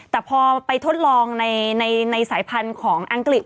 แต่พอไปทดลองในสายพันธุ์ของอังกฤษ